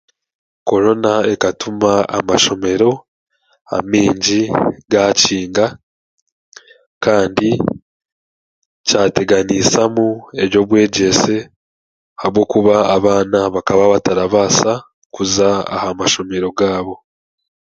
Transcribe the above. korona ekatuma amashomero amaingi g'aakinga kandi kyateganiisamu eby'obwegyese ahabw'okuba abaana bakaba batarabaasa kuza aha mashomero gaabo.